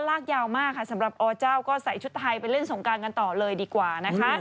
รถเมล์มาใส่แล้วกัน